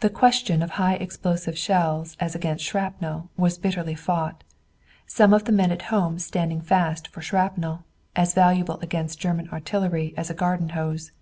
The question of high explosive shells as against shrapnel was bitterly fought, some of the men at home standing fast for shrapnel, as valuable against German artillery as a garden hose.